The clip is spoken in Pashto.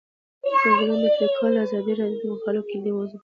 د ځنګلونو پرېکول د ازادي راډیو د مقالو کلیدي موضوع پاتې شوی.